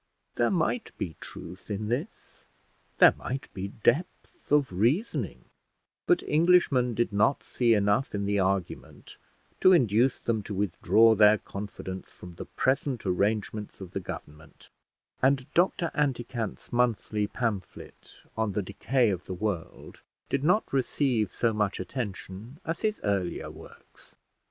There might be truth in this, there might be depth of reasoning; but Englishmen did not see enough in the argument to induce them to withdraw their confidence from the present arrangements of the government, and Dr Anticant's monthly pamphlet on the decay of the world did not receive so much attention as his earlier works.